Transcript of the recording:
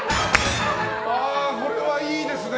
ああ、これはいいですね。